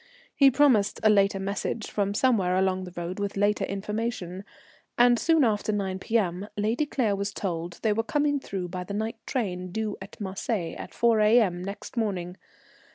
He promised a later message from somewhere along the road with later information, and soon after 9 P.M. Lady Claire was told they were coming through by the night train, due at Marseilles at 4 A.M. next morning.